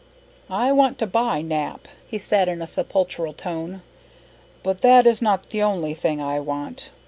"I want to buy Nap," he said in a sepulchral tone, "but that is not the only thing I want.